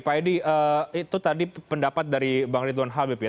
pak edi itu tadi pendapat dari bang ridwan habib ya